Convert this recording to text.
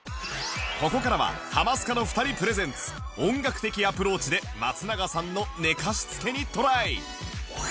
ここからはハマスカの２人プレゼンツ音楽的アプローチで松永さんの寝かしつけにトライ